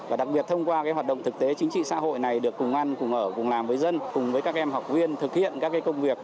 và đặc biệt thông qua hoạt động thực tế chính trị xã hội này được cùng ăn cùng ở cùng làm với dân cùng với các em học viên thực hiện các công việc